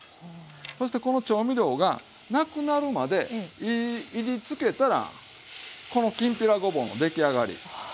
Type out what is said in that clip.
そしてこの調味料がなくなるまでいりつけたらこのきんぴらごぼうの出来上がり。